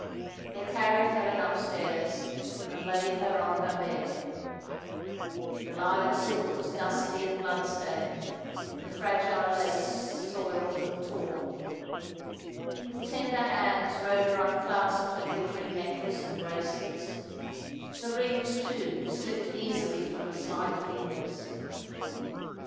They carried Helen upstairs, and laid her on her bed. The lilac silk was dusty and blood stained, the fragile lace soiled and torn. With tender hands Rhoda unclasped her glittering necklace and bracelets; the rings, too, slipped easily from the slight fingers.